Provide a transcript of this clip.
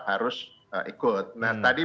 harus ikut nah tadi